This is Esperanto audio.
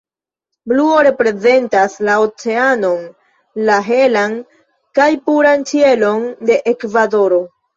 Bluo reprezentas la oceanon, la helan kaj puran ĉielon de Ekvadoro.